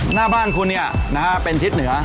หน้าบ้านคุณเป็นทิศเหนือ